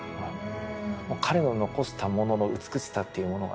もう彼の残したものの美しさというものがね